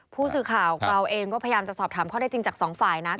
ผู้สื่อข่าวเราเองก็พยายามจะสอบถามข้อได้จริงจากสองฝ่ายนะ